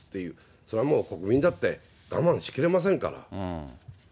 それはもう国民だって我慢しきれませんから。